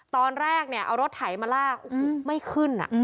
ตอนแรกเนี่ยเอารถไถมาลากไม่ขึ้น